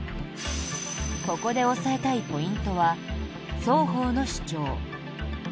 ここで押さえたいポイントは双方の主張。